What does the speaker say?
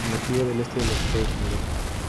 Nativa del este de Estados Unidos.